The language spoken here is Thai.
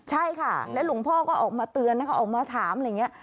ใช่ค่ะแล้วหลวงพ่อก็ออกมาเตือนนะคะออกมาถามอะไรอย่างนี้